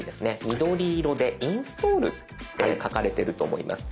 緑色で「インストール」って書かれてると思います。